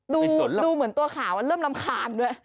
ดูเหมือนตัวขาวเริ่มรำคาญด้วย